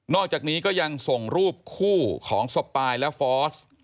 อกจากนี้ก็ยังส่งรูปคู่ของสปายและฟอส